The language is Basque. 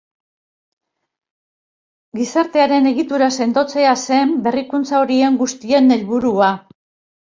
Gizartearen egitura sendotzea zen berrikuntza horien guztien helburua.